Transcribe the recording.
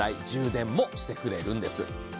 充電もしてくれるんです。